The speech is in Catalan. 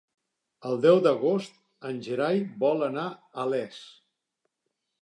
El deu d'agost en Gerai vol anar a Les.